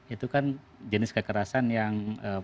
itu kan jenis kekerasan yang